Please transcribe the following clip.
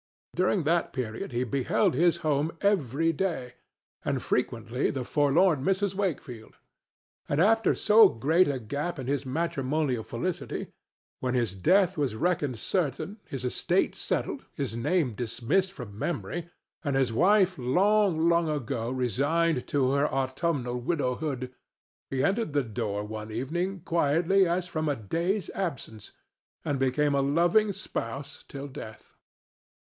During that period he beheld his home every day, and frequently the forlorn Mrs. Wakefield. And after so great a gap in his matrimonial felicity—when his death was reckoned certain, his estate settled, his name dismissed from memory and his wife long, long ago resigned to her autumnal widowhood—he entered the door one evening quietly as from a day's absence, and became a loving spouse till death.